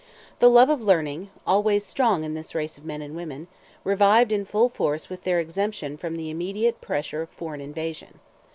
The love of learning, always strong in this race of men and women, revived in full force with their exemption from the immediate pressure of foreign invasion.